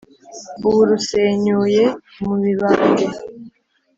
ubu rwisenyuye mu mibande,